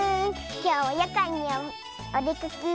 きょうはやかんにおでかけ。